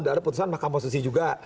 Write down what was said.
tidak ada putusan makam posisi juga